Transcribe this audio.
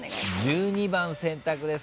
１２番選択です。